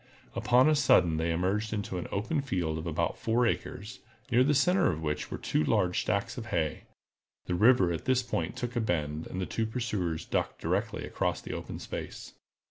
Upon a sudden they emerged into an open field of about four acres, near the center of which were two large stacks of hay. The river at this point took a bend, and the two pursuers struck directly across the open space.